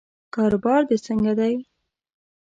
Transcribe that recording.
کاروبار دې څنګه دی؟